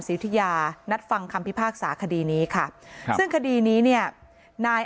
อุทิยานัดฟังคำพิพากษาคดีนี้ค่ะครับซึ่งคดีนี้เนี่ยนาย